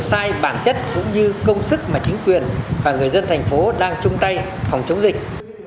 sai bản chất cũng như công sức mà chính quyền và người dân thành phố đang chung tay phòng chống dịch